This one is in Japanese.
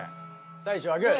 最初はグー。